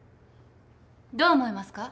どう思いますか？